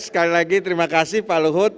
sekali lagi terima kasih pak luhut